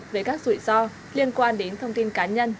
về các rủi ro liên quan đến thông tin cá nhân